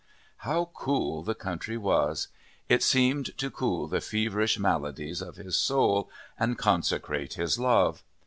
How cool the country was! It seemed to cool the feverish maladies of his soul and consecrate his love.